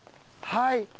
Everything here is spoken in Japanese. はい。